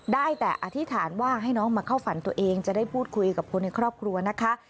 ได้แต่อธิษฐานว่าให้น้องมาเข้าฝันตัวเองจะได้พูดคุยกับคนในครอบครัวนะคะ